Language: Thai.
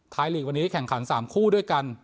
ลีกวันนี้แข่งขัน๓คู่ด้วยกัน